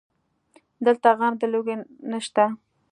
دلته غم د لوږې نشته